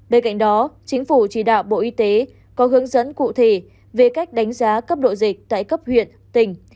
bên cạnh đó chính phủ chỉ đạo bộ y tế có hướng dẫn cụ thể về cách đánh giá cấp độ dịch tại cấp huyện tỉnh